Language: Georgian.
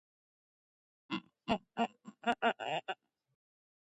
ბოჰემიის მეფეს ჰქონდა საღვთო რომის იმპერიის იმპერატორის არჩევის უფლება.